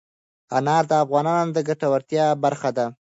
انار د افغانانو د ګټورتیا برخه ده.